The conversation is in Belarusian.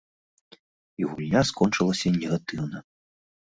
І гульня скончылася негатыўна.